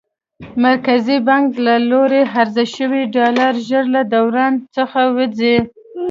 مرکزي بانک له لوري عرضه شوي ډالر ژر له دوران څخه وځي.